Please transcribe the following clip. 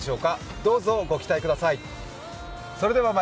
どうぞご期待ください。